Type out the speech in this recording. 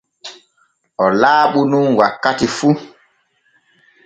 O laaɓu nun wakkati fu.